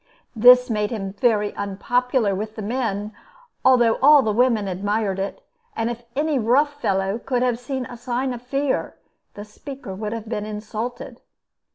This made him very unpopular with the men, though all the women admired it; and if any rough fellow could have seen a sign of fear, the speaker would have been insulted.